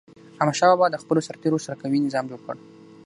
احمدشاه بابا د خپلو سرتېرو سره قوي نظام جوړ کړ.